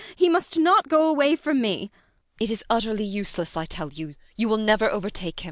He must not go away from me! ELLA RENTHEIM. It is utterly useless, I tell you! You will never overtake him.